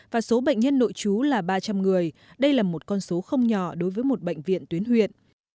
và số bệnh nhân nội chú là ba trăm linh người đây là một con số không nhỏ đối với một bệnh viện tuyến huyện